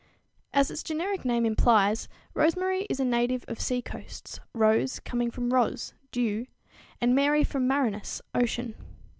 As its generic name implies, rosemary is a native of sea coasts, "rose" coming from Ros, dew, and "Mary" from marinus, ocean.